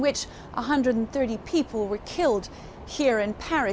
di mana satu ratus tiga puluh orang diperkutuk di paris